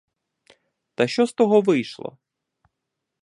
Та що з того вийшло?